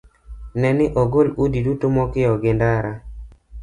Ne ni ogol udi duto mokiewo gi ndara.